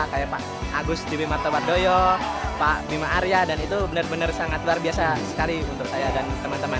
kayak pak agus bibi martabadoyo pak bima arya dan itu benar benar sangat luar biasa sekali menurut saya dan teman teman